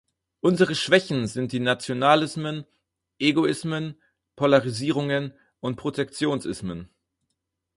Unsere Schwächen sind die Nationalismen, Egoismen, Polarisierungen und Protektionismen.